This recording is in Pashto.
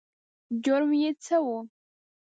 جرم یې څه و؟